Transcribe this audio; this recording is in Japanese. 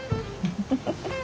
フフフ。